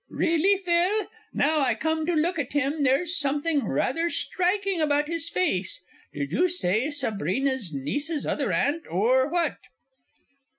Really, Phil, now I come to look at him, there's something rather striking about his face. Did you say Sabrina's Niece's Other Aunt or what?